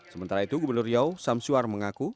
sementara itu gubernur riau samsuar mengaku